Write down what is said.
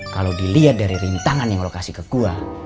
kalo diliat dari rintangan yang lo kasih ke gua